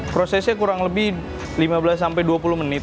prosesnya kurang lebih lima belas sampai dua puluh menit